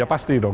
ya pasti dong